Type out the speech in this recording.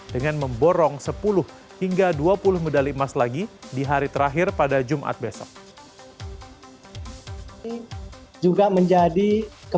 dengan memborong sepuluh hingga dua puluh medali emas lagi di hari terakhir pada jumat besok